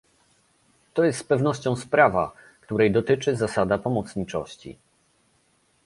To jest z pewnością sprawa, której dotyczy zasada pomocniczości